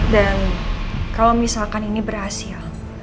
dan kalau misalkan ini berhasil